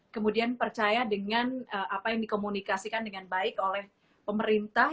kemudian percaya dengan apa yang dikomunikasikan dengan baik oleh pemerintah